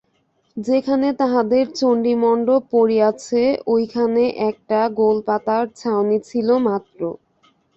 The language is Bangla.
যেখানে তাহাদের চণ্ডীমণ্ডপ পড়িয়াছে, ঐখানে একটা গোলপাতার ছাউনি ছিল মাত্র।